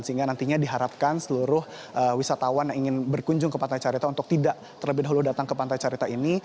sehingga nantinya diharapkan seluruh wisatawan yang ingin berkunjung ke pantai carita untuk tidak terlebih dahulu datang ke pantai carita ini